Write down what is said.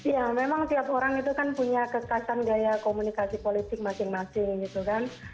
ya memang tiap orang itu kan punya kekasan gaya komunikasi politik masing masing gitu kan